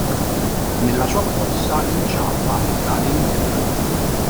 Nella sua corsa, inciampa e cade in un fiume.